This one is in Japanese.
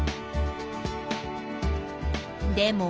でも。